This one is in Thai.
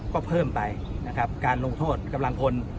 ก็เพิ่มไปนะครับการลงโทษกำลังพล